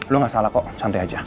lo gak salah kok santai aja